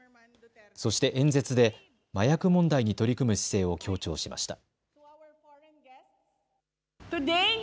そして演説で麻薬問題に取り組む姿勢を強調しました。